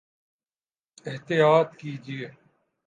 احطیاط کیجئے